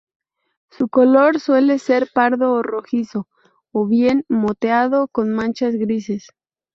Su color suele ser pardo o rojizo, o bien moteado con manchas grises.